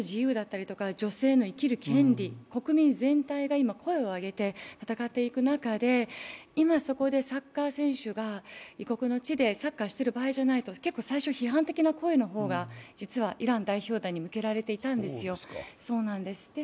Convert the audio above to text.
それはもっと自由だったり、女性の生きる権利、国民全体が今声を上げて戦っていく中で、今そこでサッカー選手が異国の地でサッカーをしている場合ではないと批判的な声がある中で実はイラン代表団に向けられていたんですよ。